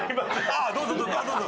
ああどうぞどうぞどうぞ。